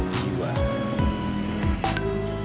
coklatnya sih biasa